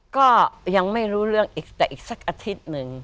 ก็ยังไม่รู้เรื่องอีกแต่อีกสักอาทิตย์หนึ่ง